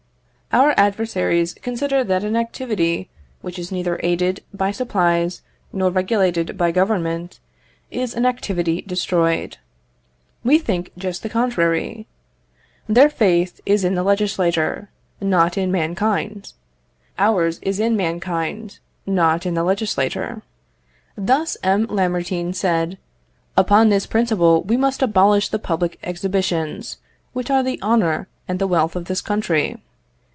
Our adversaries consider that an activity which is neither aided by supplies, nor regulated by government, is an activity destroyed. We think just the contrary. Their faith is in the legislator, not in mankind; ours is in mankind, not in the legislator. Thus M. Lamartine said, "Upon this principle we must abolish the public exhibitions, which are the honour and the wealth of this country."